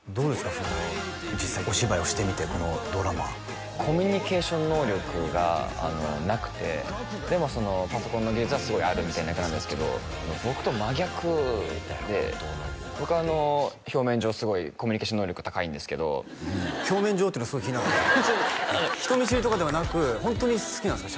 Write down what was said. その実際お芝居をしてみてこのドラマコミュニケーション能力がなくてでもパソコンの技術はすごいあるみたいな役なんですけど僕と真逆で僕表面上すごいコミュニケーション能力高いんですけど表面上っていうのがすごい気になるんですけど人見知りとかではなくホントに好きなんですか？